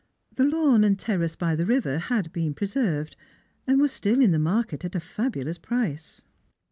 The lawn and terrace by the river had been preserved, and were still in the market at a fabulous price.